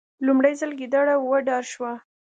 لومړی ځل ګیدړه وډار شوه.